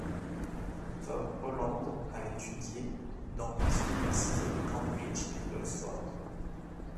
Tom Holland a étudié dans les universités de Cambridge et d'Oxford.